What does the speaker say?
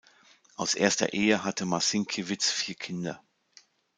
Aus erster Ehe hatte Marcinkiewicz vier Kinder.